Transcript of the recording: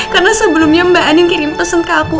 karena sebelumnya mbak andin kirim pesan ke aku